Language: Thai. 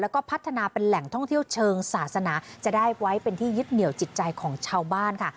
แล้วก็พัฒนาเป็นแหล่งท่องเที่ยวเชิงศาสนาจะได้ไว้เป็นที่ยึดเหนียวจิตใจของชาวบ้านค่ะ